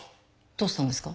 どうしたんですか？